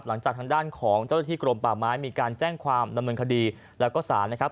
หลังจากทางด้านของเจ้าหน้าที่กรมป่าไม้มีการแจ้งความดำเนินคดีแล้วก็สารนะครับ